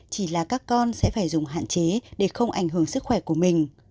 chỉ là các con sẽ phải dùng hạn chế để không ảnh hưởng sức khỏe của mình